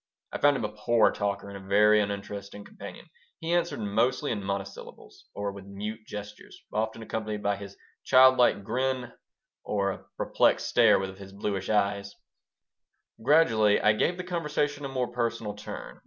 I found him a poor talker and a very uninteresting companion. He answered mostly in monosyllables, or with mute gestures, often accompanied by his child like grin or by a perplexed stare of his bluish eyes Gradually I gave the conversation a more personal turn.